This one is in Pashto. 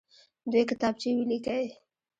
دوې کتابچې ولیکئ.